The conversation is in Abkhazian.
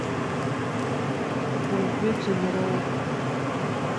Уажәы ӡынроуп.